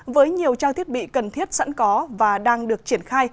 với nhiều trang thiết bị cần thiết sẵn có và đang được triển khai